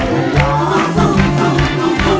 ได้